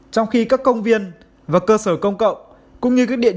trong khi các công viên và cơ sở công cộng cũng như các địa điểm